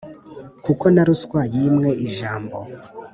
kuko na ruswa yimwe ijambo